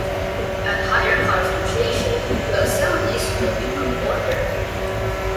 At higher concentration, the assemblies will become ordered.